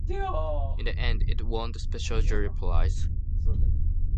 In the end, it won the Special Jury Prize.